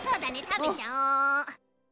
たべちゃおう。